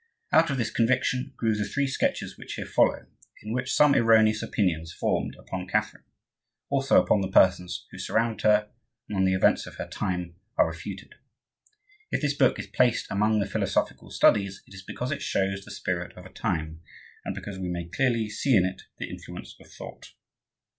Out of this conviction grew the three sketches which here follow; in which some erroneous opinions formed upon Catherine, also upon the persons who surrounded her, and on the events of her time, are refuted. If this book is placed among the Philosophical Studies, it is because it shows the Spirit of a Time, and because we may clearly see in it the influence of thought.